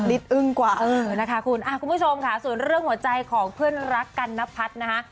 ลิตอึ้งกว่าคุณผู้ชมค่ะส่วนเรื่องหัวใจของเพื่อนรักกันนัพพัฒน์นะฮะ